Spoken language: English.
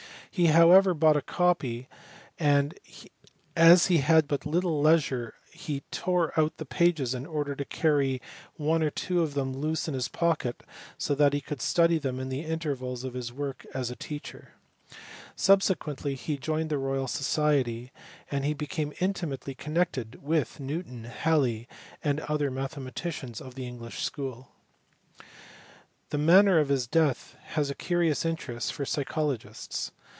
He however bought a copy, and as he had but little leisure he tore out the pages in order to carry one or two of them loose in his pocket so that he could study them in the intervals of his work as a teacher. Subsequently he joined the Royal Society, and became intimately connected with Newton, Haliey, and other mathematicians of the English school. The manner of his death has a curious interest for psychologists.